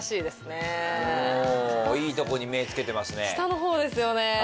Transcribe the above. おいいとこに目つけてますね。